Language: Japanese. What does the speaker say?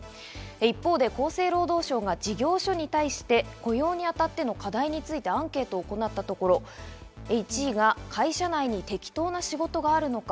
一方、厚生労働省が事業所に対して雇用にあたっての課題についてアンケートを行ったところ、１位が会社内に適当な仕事があるのか。